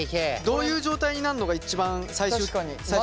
どういう状態になるのが一番最終的な。